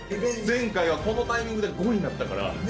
前回はこのタイミングで５位になったから。